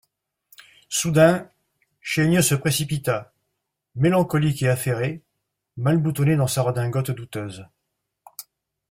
Soudain, Chaigneux se précipita, mélancolique et affairé, mal boutonné dans sa redingote douteuse.